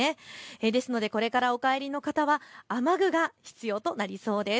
ですので、これからお帰りの方は雨具が必要となりそうです。